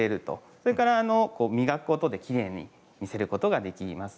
それから磨くことできれいに見せることもできます。